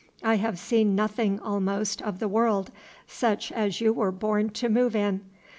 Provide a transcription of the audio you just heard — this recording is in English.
I have seen nothing, almost, of the world, such as you were born to move in.